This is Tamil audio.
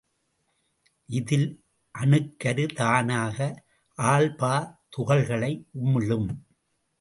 இதில் அணுக்கரு தானாக ஆல்பா துகள்களை உமிழும்.